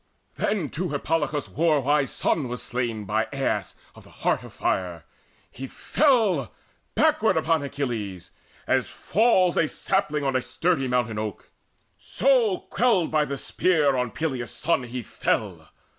Then too Hippolochus' war wise son was slain By Aias of the heart of fire. He fell Backward upon Achilles, even as falls A sapling on a sturdy mountain oak; So quelled by the spear on Peleus' son he fell.